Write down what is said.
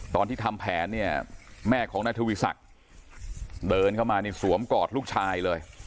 ตอนที่ทำแผนเนี่ยแม่ของนายทวีศักดิ์เดินเข้ามานี่สวมกอดลูกชายเลย